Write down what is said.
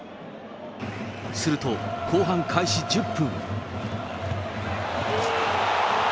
すると後半開始１０分。